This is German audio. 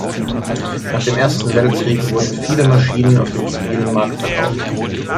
Nach dem Ersten Weltkrieg wurden viele Maschinen auf dem zivilen Markt verkauft.